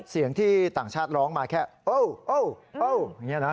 เสียงที่ต่างชาติร้องมาแค่โอ้วโอ้วโอ้วอย่างเงี้ยนะ